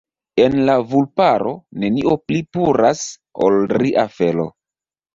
En la vulparo, nenio pli puras ol ria felo.